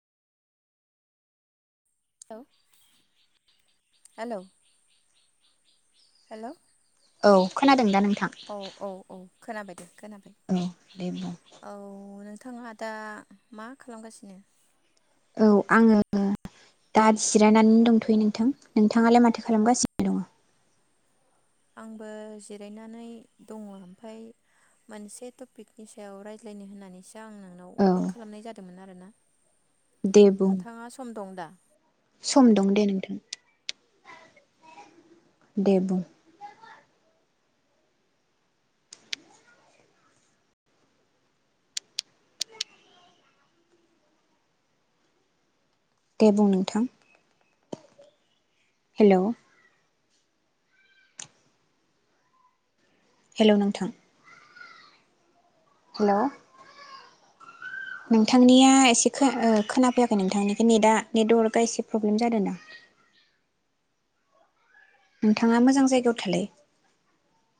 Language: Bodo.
लौ हेलौ हेलौ औ खोनादों दा नों औ औ औ खोनाबाय दे। खोनाबाय औ दे बुं। औ नों नोंथाहा दा मा खालामगासिनो? औ आंङो दा जिरायनानै दंथ'यो नोंथां नोंथाङालाय माथो खालामगासिनो दङ? आंबो जिरायनानै दङ ओमफाय मोनसे टपिकनि सायाव रायज्लायनो होननानैसो दा आं नोंनाव औ फन खालामनाय जादोंमोन आ गोना दे बुं नोंथाङा सम दं दा सम दं दे नोंथां दे बुं देबु नोंथां हेलौ हेलौ नोंथां हेलौ नोंथांनिया एसे खोनाफैयाखै नोंथांनि नेट नेट वर्कआ एसे प्रब्लेम जादों ना नोंथाङा मोजां जायगायाव थालाय